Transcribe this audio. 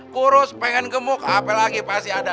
kurus pengen gemuk apa lagi pasti ada